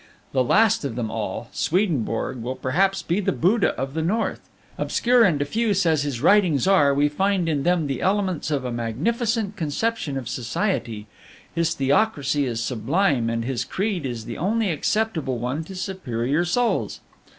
"The last of them all, Swedenborg, will perhaps be the Buddha of the North. Obscure and diffuse as his writings are, we find in them the elements of a magnificent conception of society. His Theocracy is sublime, and his creed is the only acceptable one to superior souls.